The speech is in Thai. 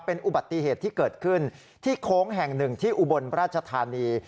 เป็นอุบัติเหตุที่เกิดขึ้นที่โค้งแห่งหนึ่งที่อุบลราชธานี